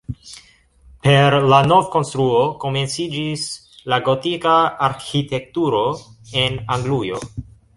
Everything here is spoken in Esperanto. Per la novkonstruo komenciĝis la gotika arĥitekturo en Anglujo.